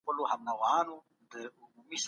ښاروال خپل ژوند خوندي کولو هڅه وکړه.